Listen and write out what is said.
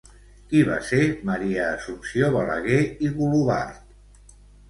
Qui va ser Maria Assumpció Balaguer i Golobart?